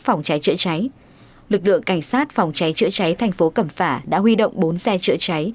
phòng cháy chữa cháy lực lượng cảnh sát phòng cháy chữa cháy thành phố cẩm phả đã huy động bốn xe chữa cháy